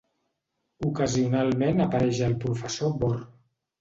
Ocasionalment apareix el Professor Bor.